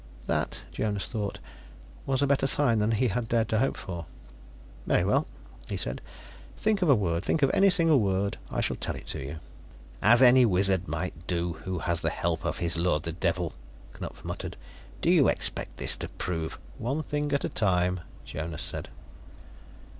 That, Jonas thought, was a better sign than he had dared to hope for. "Very well," he said. "Think of a word. Think of any single word. I shall tell it to you." "As any wizard might do, who had the help of his lord the Devil," Knupf muttered. "Do you expect this to prove " "One thing at a time," Jonas said.